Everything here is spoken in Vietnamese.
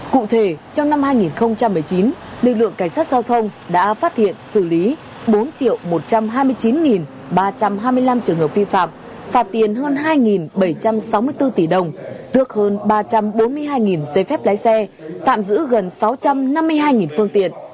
cụ thể trong năm hai nghìn một mươi chín lực lượng cảnh sát giao thông đã phát hiện xử lý bốn một trăm hai mươi chín ba trăm hai mươi năm trường hợp vi phạm phạt tiền hơn hai bảy trăm sáu mươi bốn tỷ đồng tước hơn ba trăm bốn mươi hai giấy phép lái xe tạm giữ gần sáu trăm năm mươi hai phương tiện